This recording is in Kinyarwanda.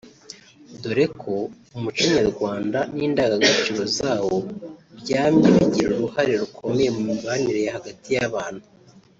dore ko umuco nyarwanda n’indangagaciro zawo byamye bigira uruhare rukomeye mu mibanire hagati y’abantu